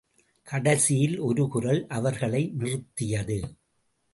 கடைசியில் ஒரு குரல் அவர்களை நிறுத்தியது.